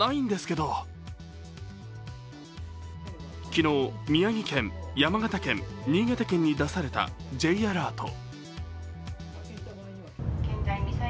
昨日、宮城県、山形県、新潟県に出されたＪアラート。